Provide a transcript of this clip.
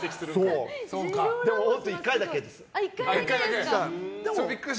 でも１回だけです。